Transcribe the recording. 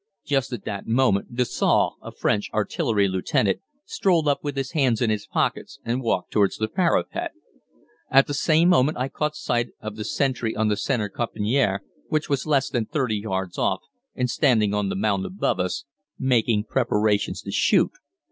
Just at that moment Dessaux, a French artillery lieutenant, strolled up with his hands in his pockets and walked towards the parapet. At the same moment I caught sight of the sentry on the center "caponnière," who was less than 30 yards off and standing on the mound above us, making preparations to shoot.